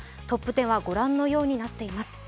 トップ１０はご覧のようになっています。